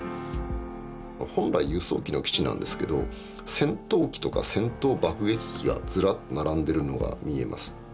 本来輸送機の基地なんですけど戦闘機とか戦闘爆撃機がずらっと並んでるのが見えます。